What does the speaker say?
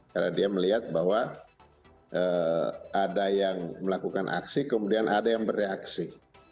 karena dia melihat bahwa ada yang melakukan aksi kemudian ada yang bereaksi